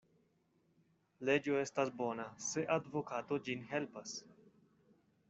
Leĝo estas bona, se advokato ĝin helpas.